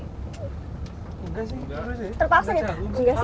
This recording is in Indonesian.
nggak sih nggak apa sih